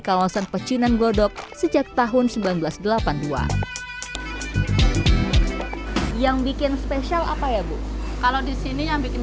kawasan pecinan glodok sejak tahun seribu sembilan ratus delapan puluh dua yang bikin spesial apa ya bu kalau disini yang bikin